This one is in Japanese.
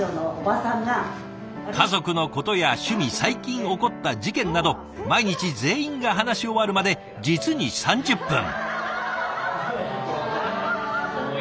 家族のことや趣味最近起こった事件など毎日全員が話し終わるまで実に３０分。